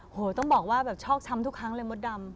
โอ้โหต้องบอกว่าแบบชอกช้ำทุกครั้งเลยมดดำ